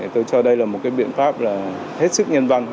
tôi cho đây là một biện pháp hết sức nhân văn